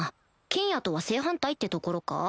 ケンヤとは正反対ってところか？